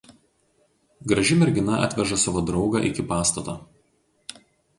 Graži mergina atveža savo draugą iki pastato.